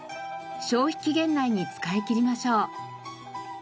消費期限内に使い切りましょう。